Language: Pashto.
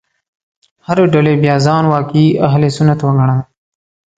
هرې ډلې بیا ځان واقعي اهل سنت وګڼل.